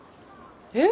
えっ？